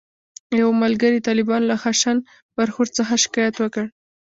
یو ملګري د طالبانو له خشن برخورد څخه شکایت وکړ.